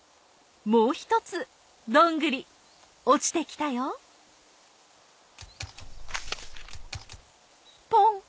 もうひとつどんぐりおちてきたよポン！